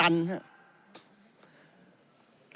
อันนี้